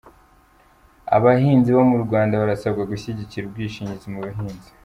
Abahinzi bo mu Rwanda barasabwa gushyigikira ubwishingizi mu buhinzi